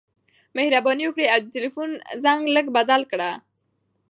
مهرباني وکړه او د خپل ټیلیفون زنګ لږ بدل کړه.